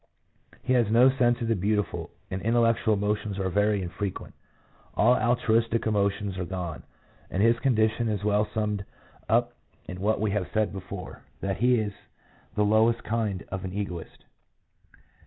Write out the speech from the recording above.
He has no sense of the beautiful, and intel lectual emotions are very infrequent. All altruistic emotions are gone, and his condition is well summed up in what we have said before, that he is the lowest kind of an egotist.